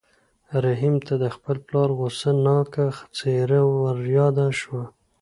رحیم ته د خپل پلار غوسه ناکه څېره وریاده شوه.